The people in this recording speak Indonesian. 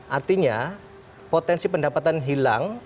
artinya potensi pendapatan hilang